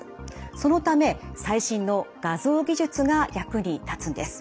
そのため最新の画像技術が役に立つんです。